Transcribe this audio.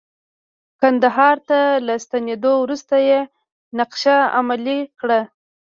کندهار ته له ستنیدو وروسته یې نقشه عملي کړه.